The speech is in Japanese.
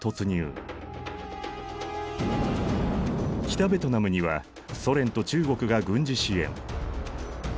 北ベトナムにはソ連と中国が軍事支援。